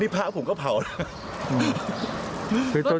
นี่พร้าวผมก็เผาแล้ว